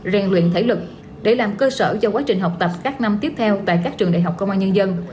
rèn luyện thể lực để làm cơ sở cho quá trình học tập các năm tiếp theo tại các trường đại học công an nhân dân